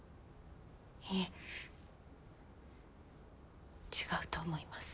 いえ違うと思います。